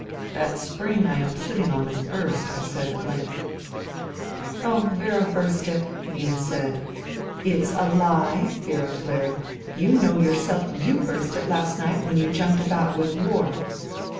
*' That spring I am sitting on is burst," I said at length. " Oh, Vera burst it," Nina said. " It's a he 1 " Vera flared. " You know your self you burst it last night when you jumped about with Ward."